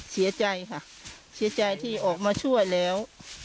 เสียใจค่ะเสียใจที่ออกมาช่วยแล้ว